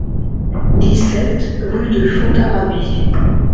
dix-sept rUE DE FONTARABIE